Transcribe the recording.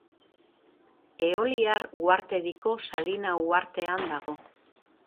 Eoliar uhartediko Salina uhartean dago.